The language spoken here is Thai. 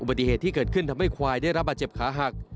ปฏิเหตุที่เกิดขึ้นทำให้ควายได้รับบาดเจ็บขาหัก